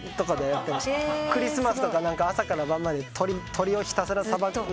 クリスマスとか朝から晩まで鶏をひたすらさばく。